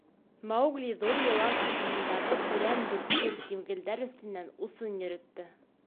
Маугли ҙур йылан арҡаһындағы көрән дүрткел тимгелдәр өҫтөнән усын йөрөттө.